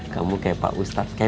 kamu kayak pak ustaz itu ceng